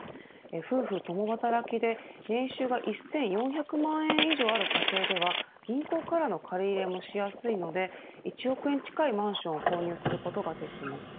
夫婦共働きで年収が１４００万円以上ある家庭では銀行からの借り入れもしやすいので１億円近いマンションを購入することができます。